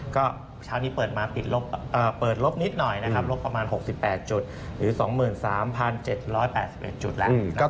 ก็เช้านี้เปิดมาปิดเปิดลบนิดหน่อยนะครับลบประมาณ๖๘จุดหรือ๒๓๗๘๑จุดแล้ว